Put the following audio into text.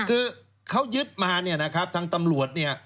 คือเขายึดมาทั้งตำรวจ